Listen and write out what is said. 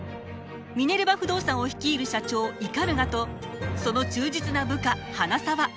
ミネルヴァ不動産を率いる社長鵤とその忠実な部下花澤。